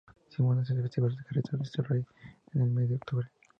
Sumándose la festividad del Cerrito de Cristo Rey en el mes de octubre.